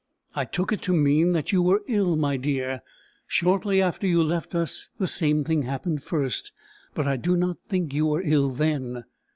"I took it to mean that you were ill, my dear. Shortly after you left us, the same thing happened first; but I do not think you were ill then."